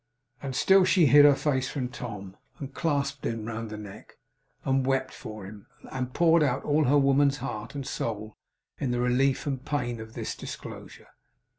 And still she hid her face from Tom, and clasped him round the neck, and wept for him, and poured out all her woman's heart and soul in the relief and pain of this disclosure.